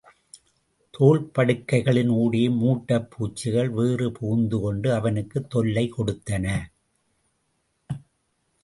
தோல்படுக்கைகளின் ஊடே, மூட்டைபூச்சிகள் வேறு புகுந்து கொண்டு அவனுக்குத் தொல்லை கொடுத்தன.